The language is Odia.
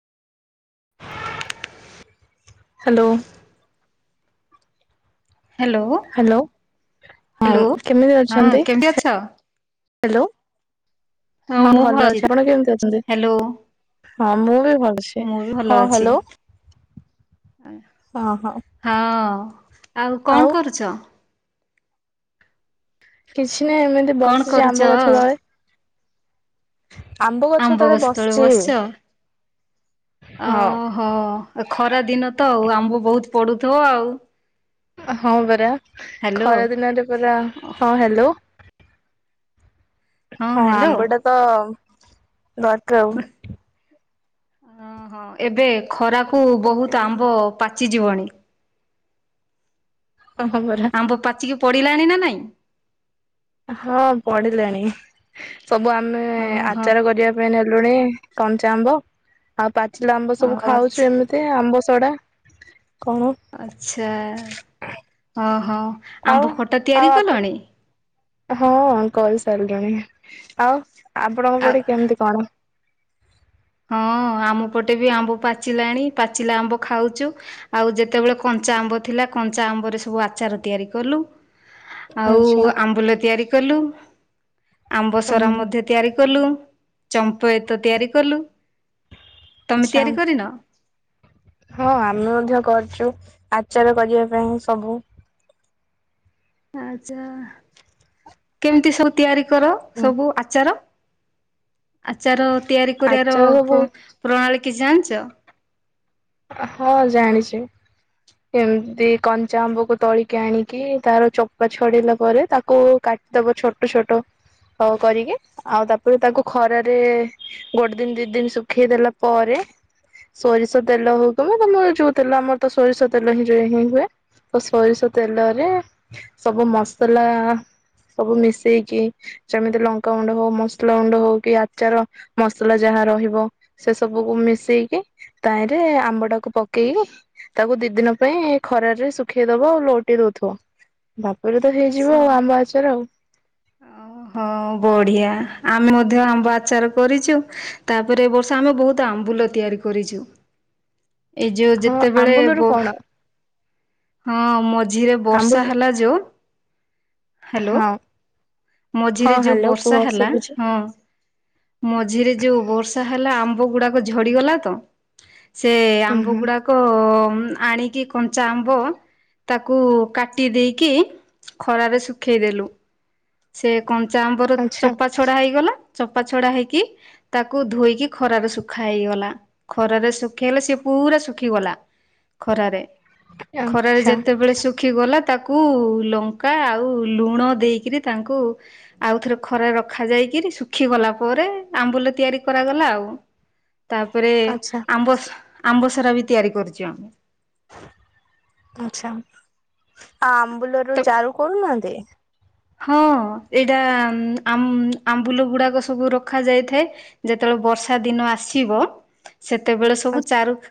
ହ୍ୟାଲୋ। ହ୍ୟାଲୋ ହ୍ୟାଲୋ ହଁ ହ୍ୟାଲୋ କେମିତି ହଁ ଅଛନ୍ତି? କେମିତି ଅଛ? ହ୍ୟାଲୋ, ହଁ ଭଲ ଅଛି। ଆପଣ କେମିତି ଅଛନ୍ତି? ହ୍ୟାଲୋ ହଁ ମୁଁ ବି ଭଲ ଅଛି। ହଁ ହ୍ୟାଲୋ। ଆ। ହଁ ହଁ। ହଁ ଆଉ କଣ କରୁଛ? କିଛି ନାହିଁ ଏମିତି କଣ ବସିଛି କରୁଛ? ଆମ୍ବ ଗଛ ତଳେ। ଆମ୍ବ ଗଛ ତଳେ ବସିଛ। ଓ ହଁ ହୋ ଏ ଖରା ଦିନ ତ ଆଉ ଆମ୍ବ ବହୁତ ପଡ଼ୁଥିବ ଆଉ। ହଁ ପରା ହ୍ୟାଲୋ ଖରାଦିନରେ ପରା ହଁ ହ୍ୟାଲୋ। ହଁ ଆମ୍ବଟା ତ ଦରକାର ଆଉ। ଓ ହଁ ଏବେ ଖରାକୁ ବହୁତ ଆମ୍ବ ପାଚିଯିବଣି। ହଁ ପରା। ଆମ ପାଚିକି ପଡିଲାଣି ନା ନାଇଁ? ହଁ ପଡିଲାଣି ସବୁ ଆମେ ଓହୋ ଆଚାର କରିବାକୁ ନେଲୁଣି କଞ୍ଚା ଆମ୍ବ ଆଉ ପାଚିଲା ଆମ୍ବ ସବୁ ଖାଉଛୁ ଆଚ୍ଛା ଏମିତି। ଏତେ ଆମ୍ବସଡ଼ା କଣ ଆଛା ଓହୋ ଆଉ ଆମ୍ବ ଖଟା ଆଉ ତିଆରି ଆପଣ କଲଣି? ହଁ କରି ସାରିଲୁଣି। ଆଉ ଆପଣଙ୍କ ଆଉ ପଟେ କେମିତି କଣ? ହଁ ଆମ ପଟେ ବି ଆମ୍ବ ପାଚିଲାଣି, ପାଚିଲା ଆମ୍ବ ଖାଉଛୁ। ଆଉ ଯେତେବେଳେ କଞ୍ଚା ଆମ୍ବ ଥିଲା କଞ୍ଚା ଆମ୍ବରେ ସବୁ ଆଚାର ତିଆରି କଲୁ। ଆଉ ଆଚ୍ଛା ଆମ୍ବୁଲ ତିଆରି କଲୁ। ଆମ୍ବ ସରା ହୁଁ ମଧ୍ୟ ତିଆରି କଲୁ ଚମ୍ପଏତ ତିଆରି କଲୁ। ତମେ ଆଚ୍ଛା ତିଆରି କରିନ? ହଁ ଆମେ ମଧ୍ୟ କରିଛୁ ଆଚାର କରିବା ପାଇଁ ସବୁ। ଆଚ୍ଛା କେମିତି ସବୁ ତିଆରିକର ହୁଁ ସବୁ ଆଚାର। ଆଚାର ତିଆରି କରିବାର ଆଚାର ସବୁ ପ୍ର ପ୍ରଣାଳୀ କିଛି ଜାଣିଛ। ହଁ ଜାଣିଛି। ଏମିତି କଞ୍ଚାଆମ୍ବକୁ ତୋଳିକି ଆଣିକି ତାର ଚୋପା ଛଡେଇିଲା ପରେ ତାକୁ କାଟି ତାପରେ ଛୋଟ ଛୋଟ କରିକି ଆଉ ତାପରେ ତାକୁ ଖରାରେ ଗୋଟେଦିନ ଦି ଦିନ ଶୁଖେଇ ଦେଲା ପରେ ସୋରିଷ ତେଲ ହଉ ତମେ ତମର ଯୋଉ ତେଲ ଆମରତ ସୋରିଷ ତେଲହିଁ ଯେହିଁ ହୁଏ। ଆଉ ସୋରିଷ ତେଲରେ ସବୁ ମସଲା ସବୁ ମିଶେଇକି ଯେମିତି ଲଙ୍କାଗୁଣ୍ଡ ହଉ ମସଲାଗୁଣ୍ଡ ହଉ କି ଆଚାର ମସଲା ଯାହା ରହିବ। ସେ ସବୁକୁ ମିଶେଇକି ତାହିଁରେ ଆମ୍ବଟାକୁ ପକେଇଲେ ତାକୁ ଦି ଦିନ ପାଇଁ ଖରାରେ ଶୁଖେଇ ଦବ ଲଉଟେଇ ଦଉଥିବ। ବାବାରେତ ହେଇଯିବ ଆଉ ଆମ୍ବଆଚାର ଆଉ। ଆଉ। ହଁ ବଢିଆ ଆମେ ମଧ୍ୟ ଆମ୍ବଆଚାର କରିଛୁ ତାପରେ ଏବର୍ଷ ଆମେ ବହୁତ ଆମ୍ବୁଲ ତିଆରି କରିଛୁ ଏଇ ଯୋଉ ହଁ ଯେତେବେଳେ ଆମ୍ବୁଲରୁ ବୋ କଣ ହଁ ମଝିରେ ଆମ୍ବୁଲ ବର୍ଷାହେଲା ଯୋଉ ହାଲୋ ହଁ ହଁ ମଝିରେ ଯୋଉ ହ୍ୟାଲୋ କୁହ ବର୍ଷା ହେଲା ଶୁଭୁଛି ହଁ। ହଁ ମଝିରେ ଯୋଉ ବର୍ଷା ହେଲା ଆମ୍ବ ଗୁଡାକ ଝଡିଗଲାତ। ସେ ହୁଁ ଆମ୍ବ ହୁଁ ଗୁଡାକ ଆଣିକି କଞ୍ଚାଆମ୍ବ। ତାକୁ କାଟିଦେଇକି ଖରାରେ ଶୁଖେଇଦେଲୁ। ସେ କଞ୍ଚା ଆମ୍ବର ଆଚ୍ଛା ଚୋପାଛଡା ହେଇଗଲା ଚୋପାଛଡା ହେଇକି ତାକୁ ଧୋଇକି ଖରାରେ ଶୁଖାହେଇଗଲା ଖରାରେ ଶୁଖେଇଲେ ସିଏ ପୁରା ଶୁଖିଗଲା। ଖରାରେ ଖରାରେ ଆଚ୍ଛା ଯେତେବେଳେ ଶୁଖିଗଲା ତାକୁ ଲଙ୍କା ଆଉ ଲୁଣ ଦେଇକିରି ତାଙ୍କୁ ଆଉ ଥରେ ଖରାରେ ରଖାଯାଇକିରି ଶୁଖିଗଲା ପରେ ଆମ୍ବୁଲ ତିଆରି କରାଗଲା ଆଉ। ତାପରେ ଆଚ୍ଛା ଆମ୍ବସ ଆମ୍ବସରାବି ତିଆରି କରୁଚୁ଼ ଆମେ। ଆଚ୍ଛା ଆମ୍ବୁଲରୁ ତ ଚାରୁ କରୁନାହାନ୍ତି? ହଁ ଏଇଟା ଆମ ଆମ୍ବୁଲ ଗୁଡାକ ସବୁ ରଖାଯାଇଥାଏ। ଯେତେବେଳେ ବର୍ଷାଦିନ ଆସିବ ସେତେବେଳେ ସବୁ ଚାରୁ